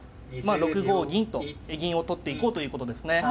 ６五銀と銀を取っていこうということですね。